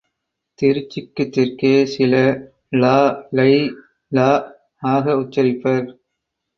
திருச்சிக்குத் தெற்கே சில ழ ளை ள ஆக உச்சரிப்பர்.